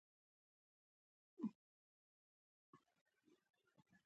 پیاز د کولمو لپاره مفید دی